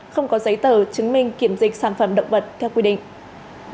không có giấy tờ chứng minh kiểm dịch sản phẩm động vật theo quy định